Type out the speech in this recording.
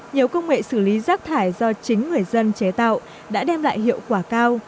nhiều công nghệ xử lý rác thải do chính người dân chế tạo đã đem lại hiệu quả cao